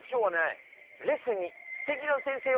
レッスンにすてきな先生をお呼びした。